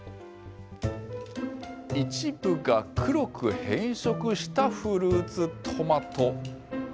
一部が黒く変色したフルーツトマト。